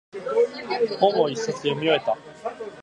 本を一冊読み終えた。